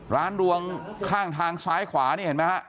ดวงข้างทางซ้ายขวานี่เห็นไหมฮะ